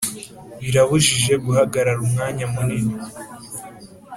Birabujijwe guhagarara umwanya munini